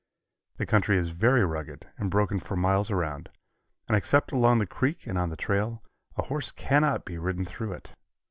The country is very rugged and broken for miles around, and except along the creek and on the trail a horse cannot be ridden through it.